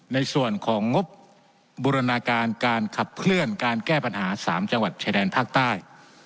ในส่วนของงบบูรณาการการขับเคลื่อนการแก้ปัญหา๓จังหวัดชายแดนภาคใต้